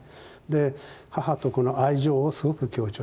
で母と子の愛情をすごく強調している。